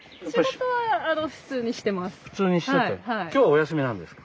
今日はお休みなんですか？